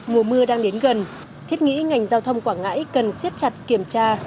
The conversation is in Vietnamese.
mùa mưa đang đến gần thiết nghĩ ngành giao thông quảng ngãi cần siết chặt kiểm tra